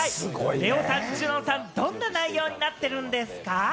ＬＥＯさん、ＪＵＮＯＮさん、どんな内容になってるんですか？